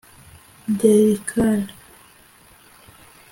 Delical